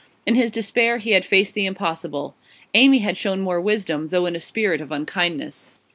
In his despair he had faced the impossible. Amy had shown more wisdom, though in a spirit of unkindness.